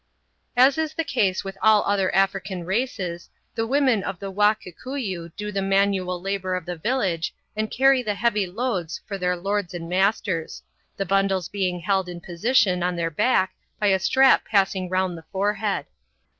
As is the case with all other African races, the women of the Wa Kikuyu do the manual labour of the village and carry the heavy loads for their lords and masters, the bundles being held in position on their back by a strap passing round the forehead.